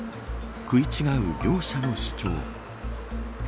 食い違う両者の主張。